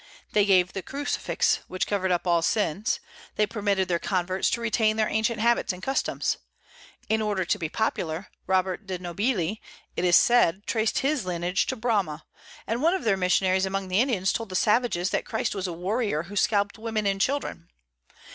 They gave the crucifix, which covered up all sins; they permitted their converts to retain their ancient habits and customs. In order to be popular, Robert de Nobili, it is said, traced his lineage to Brahma; and one of their missionaries among the Indians told the savages that Christ was a warrior who scalped women and children.